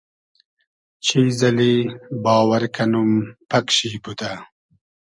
چیز اللی باوئر کئنوم پئگ شی بودۂ